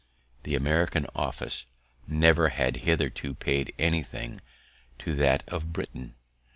The American office never had hitherto paid anything to that of Britain.